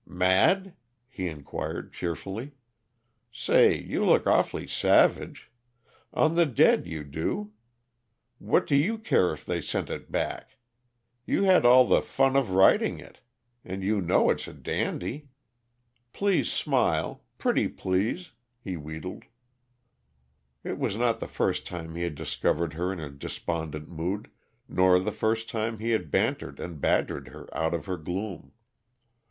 "Mad?" he inquired cheerfully. "Say, you look awfully savage. On the dead, you do. What do you care if they sent it back? You had all the fun of writing it and you know it's a dandy. Please smile. Pretty please!" he wheedled. It was not the first time he had discovered her in a despondent mood, nor the first time he had bantered and badgered her out of her gloom.